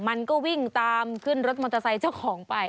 มันก็วิ่งตามขึ้นรถมอเตอร์ไซค์เจ้าของไป